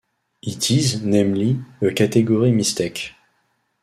It is, namely, a category mistake.